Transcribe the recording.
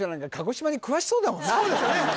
そうですよね